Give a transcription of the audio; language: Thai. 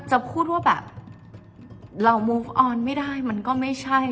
จะพูดว่าแบบเรามุฟออนไม่ได้มันก็ไม่ใช่